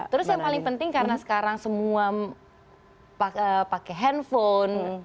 terus yang paling penting karena sekarang semua pakai handphone